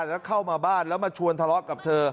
แล้วเข้ามาบ้านแล้วมาชวนทะเลาะกับเธอ